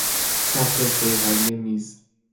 سطح صیقلی میز